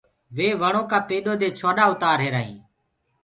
وي وڻو ڪآ پيڏو دي ڇوڏآ اُتآر رهيرآ هينٚ۔